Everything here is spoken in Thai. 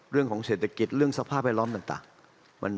เรื่องของเศรษฐกิจเรื่องสภาพแวดล้อมต่าง